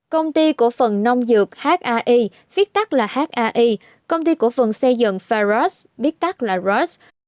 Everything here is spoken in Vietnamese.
công ty của phần nông dược hai viết tắt là hai công ty của phần xây dựng ferros viết tắt là ros